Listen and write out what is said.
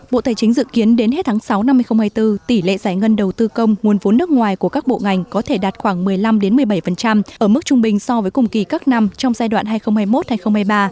bộ tài chính dự kiến đến hết tháng sáu năm hai nghìn hai mươi bốn tỷ lệ giải ngân đầu tư công nguồn vốn nước ngoài của các bộ ngành có thể đạt khoảng một mươi năm một mươi bảy ở mức trung bình so với cùng kỳ các năm trong giai đoạn hai nghìn hai mươi một hai nghìn hai mươi ba